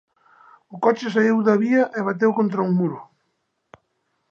O coche saíu da vía e bateu contra un muro.